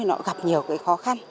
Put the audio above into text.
nó gặp nhiều cái khó khăn